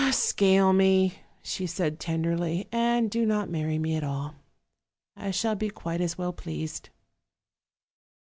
" 'Scale me,' said she tenderly, 'and do not marry me at all. I shall be quite as well pleased.'